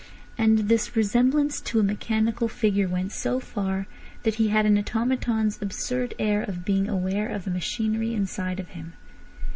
And this resemblance to a mechanical figure went so far that he had an automaton's absurd air of being aware of the machinery inside of him.